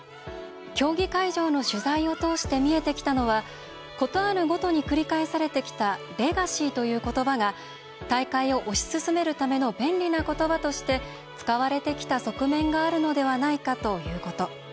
競技会場の取材を通して見えてきたのはことあるごとに繰り返されてきた「レガシー」ということばが大会を推し進めるための便利なことばとして使われてきた側面があるのではないかということ。